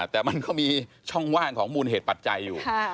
แต่มันก็มีช่องว่างของมูลเหตุปัจจัยอยู่